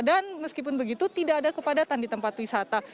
dan meskipun begitu tidak ada kepadatan di tempat wisata